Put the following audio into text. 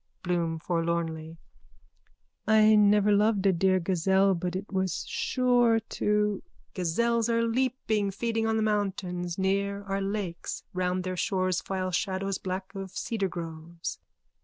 BLOOM: (Forlornly.) I never loved a dear gazelle but it was sure to... _(Gazelles are leaping, feeding on the mountains. Near are lakes. Round their shores file shadows black of cedargroves.